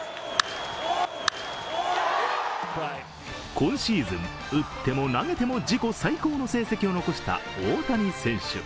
今シーズン、打っても投げても自己最高の成績を残した大谷選手。